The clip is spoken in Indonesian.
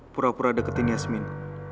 pura pura deketin yasmin